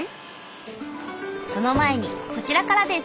その前にこちらからです。